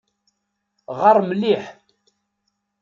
Ɣer mliḥ.